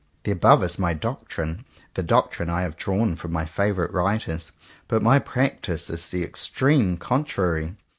The above is my doctrine, — the doctrine I have drawn from my favourite writers; but my practice is the extreme contrary.